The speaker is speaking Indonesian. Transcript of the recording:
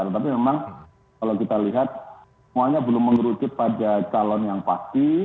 tetapi memang kalau kita lihat semuanya belum mengerucut pada calon yang pasti